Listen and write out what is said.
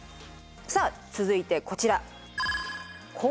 さあ続いてこちら！